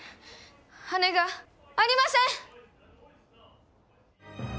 羽がありません！